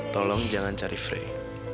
tolong jangan cari frey